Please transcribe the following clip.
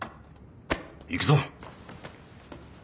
行くぞ。